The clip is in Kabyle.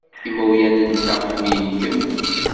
Imawlan-nteɣ ḥemmlen-kem.